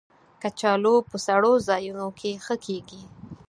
کچالو په سړو ځایونو کې ښه کېږي